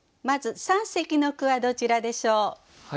まず三席の句はどちらでしょう。